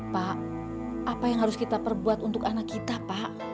pak apa yang harus kita perbuat untuk anak kita pak